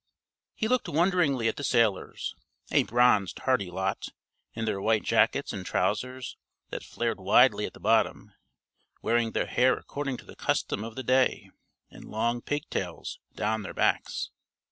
He looked wonderingly at the sailors, a bronzed, hardy lot, in their white jackets and trousers that flared widely at the bottom, wearing their hair according to the custom of the day in long pig tails down their backs.